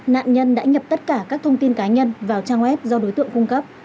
nạn nhân đã nhập tất cả các thông tin cá nhân vào trang web do đối tượng cung cấp